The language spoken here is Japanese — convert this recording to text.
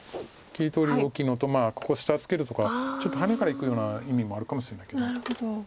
切り取り大きいのとここ下ツケるとかちょっとハネからいくような意味もあるかもしれないけど。